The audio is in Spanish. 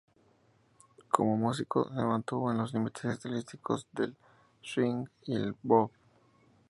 Como músico, se mantuvo en los límites estilísticos del swing y el bop.